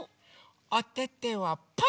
おててはパー！